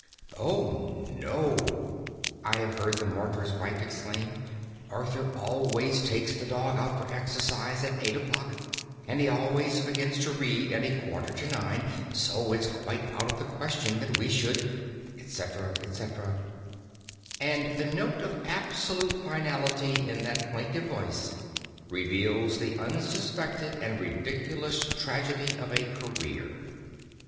"Oh, no," I have heard the martyred wife exclaim, "Arthur always takes the dog out for exercise at eight o'clock and he always begins to read at a quarter to nine. So it's quite out of the question that we should..." etc., etc. And the note of absolute finality in that plaintive voice reveals the unsuspected and ridiculous tragedy of a career.